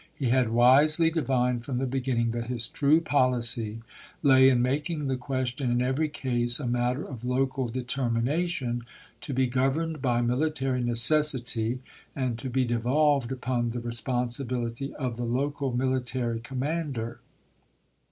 He had wisely divined from the beginning that his true policy lay in making the question in every case a 392 ABKAHAM LINCOLN ch.xxii. matter of local determination, to be governed by military necessity, and to be devolved upon the re sponsibility'of the local military commander.